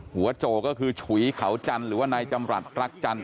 โจก็คือฉุยเขาจันทร์หรือว่านายจำรัฐรักจันท